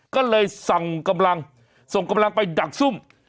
ก็เลยสั่งกำลังส่งกำลังไปดักซุ่ม